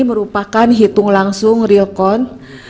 merupakan hitung langsung real count